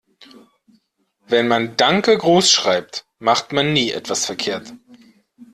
Wenn man "Danke" großschreibt, macht man nie etwas verkehrt.